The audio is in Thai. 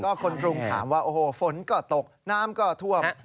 คนกรุงถามว่าโอ้โหฝนก็ตกน้ำก็ท่วม